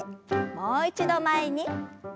もう一度前に。